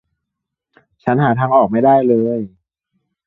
ฉันหาทางออกไม่ได้เลย